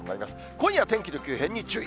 今夜、天気の急変に注意。